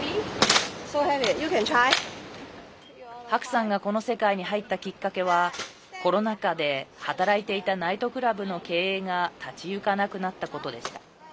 白さんがこの世界に入ったきっかけはコロナ禍で働いていたナイトクラブの経営が立ち行かなくなったことでした。